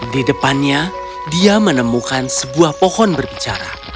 di depannya dia menemukan sebuah pohon berbicara